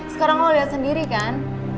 sekarang lo lihat sendiri kan